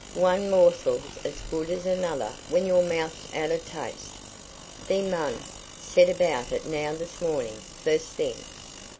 One morsel's as good as another when your mouth's out o' taste. Thee mun set about it now this mornin' fust thing.